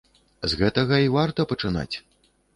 З гэтага і варта пачынаць.